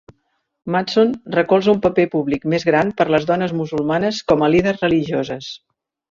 Mattson recolza un paper públic més gran per les dones musulmanes com a líders religioses.